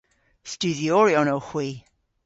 Studhyoryon owgh hwi.